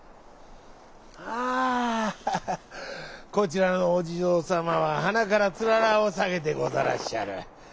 「あこちらのおじぞうさまははなからつららをさげてござらっしゃる。